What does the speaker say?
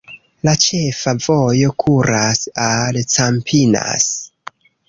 La ĉefa vojo kuras al Campinas.